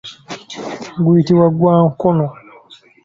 Guyitibwa gwa nkono.